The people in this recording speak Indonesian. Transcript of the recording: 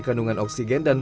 kandungan oksigen dan